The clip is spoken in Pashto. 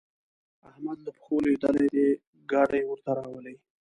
احمد له پښو لوېدلی دی؛ ګاډی ورته راولي.